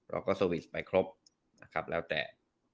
เราก็ซอวิสไปครบแล้วแต่